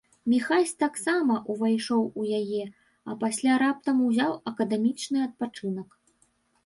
Міхась таксама ўвайшоў у яе, а пасля раптам узяў акадэмічны адпачынак.